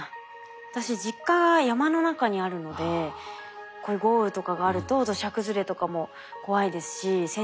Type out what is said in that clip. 私実家が山の中にあるのでこういう豪雨とかがあると土砂崩れとかも怖いですし本当にそうですね。